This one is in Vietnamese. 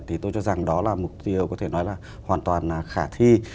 thì tôi cho rằng đó là mục tiêu có thể nói là hoàn toàn khả thi